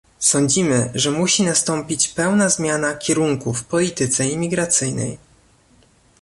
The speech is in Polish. Sądzimy, że musi nastąpić pełna zmiana kierunku w polityce imigracyjnej